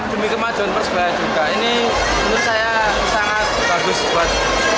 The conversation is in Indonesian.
demi kemajuan persebaya juga ini menurut saya sangat bagus buat